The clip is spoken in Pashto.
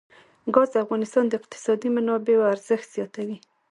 ګاز د افغانستان د اقتصادي منابعو ارزښت زیاتوي.